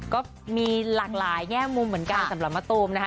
ก็มีหลากหลายแง่มุมเหมือนกันสำหรับมะตูมนะคะ